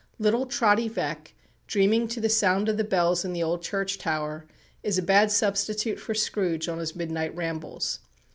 Little Trotty Veck, dreaming to the sound of the bells in the old church tower, is a bad substitute for Scrooge on his midnight rambles.